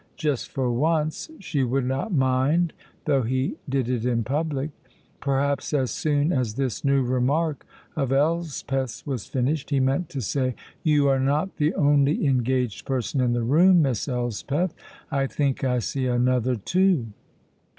Just for once she would not mind though he did it in public. Perhaps as soon as this new remark of Elspeth's was finished, he meant to say: "You are not the only engaged person in the room, Miss Elspeth; I think I see another two!"